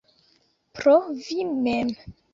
Pro vi mem.